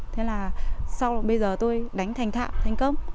thế là sau bây giờ tôi đánh thành thạo thành công